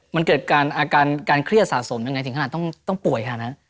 มันเกิดการเครียดสะสมยังไงถึงขนาดต้องป่วยค่ะ